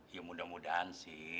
ya mudah mudahan sih